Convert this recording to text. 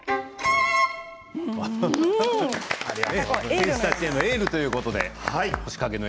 選手たちへのエールということで。